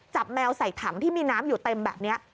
แมวใส่ถังที่มีน้ำอยู่เต็มแบบนี้